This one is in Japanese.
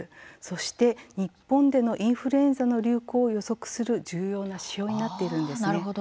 そして、日本でのインフルエンザの流行を予測する重要な指標になっているんですね。